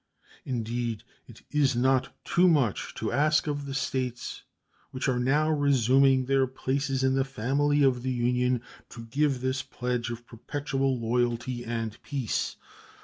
Indeed, it is not too much to ask of the States which are now resuming their places in the family of the Union to give this pledge of perpetual loyalty and peace.